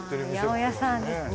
八百屋さんですね。